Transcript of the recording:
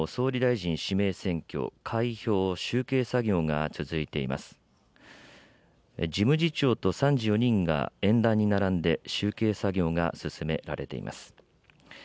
事務次長と参事４人が演壇に並んで、集計作業が進められています。